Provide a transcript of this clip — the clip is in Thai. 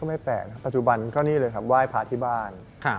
ไม่แปลกนะปัจจุบันก็นี่เลยครับไหว้พระที่บ้าน